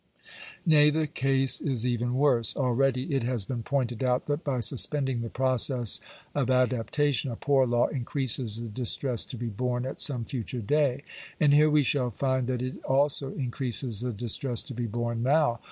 Nay, the case is even worse. Already it has been pointed out, that by suspending the process of adaptation, a poor law increases the distress to be borne at some future day ; and here we shall find that it also increases the distress to be borne now.